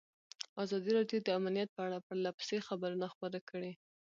ازادي راډیو د امنیت په اړه پرله پسې خبرونه خپاره کړي.